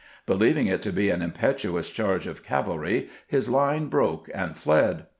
Believing it to be an impetuous charge of cavalry, his line broke and fied.